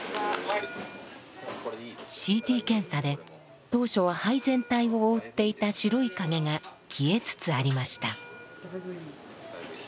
ＣＴ検査で当初は肺全体を覆っていた白い影が消えつつありました。